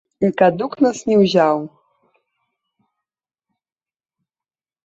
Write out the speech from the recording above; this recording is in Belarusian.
І кадук нас не ўзяў.